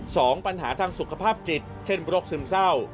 สองปัญหาทางสุขภาพจิตเช่นโรคซึมเศร้า